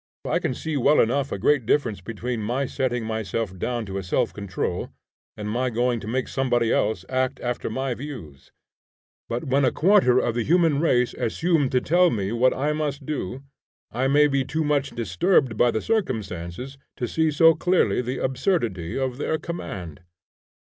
I can see well enough a great difference between my setting myself down to a self control, and my going to make somebody else act after my views; but when a quarter of the human race assume to tell me what I must do, I may be too much disturbed by the circumstances to see so clearly the absurdity of their command.